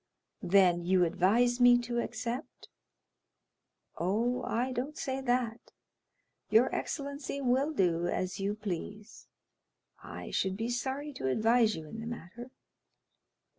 "Then you advise me to accept?" "Oh, I don't say that; your excellency will do as you please; I should be sorry to advise you in the matter."